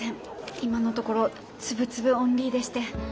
今のところつぶつぶオンリーでして。